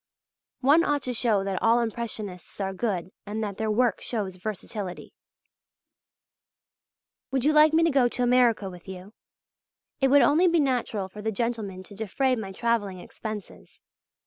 One ought to show that all Impressionists are good and that their work shows versatility. Would you like me to go to America with you? It would only be natural for the gentlemen to defray my travelling expenses.